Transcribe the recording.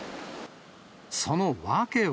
その訳は。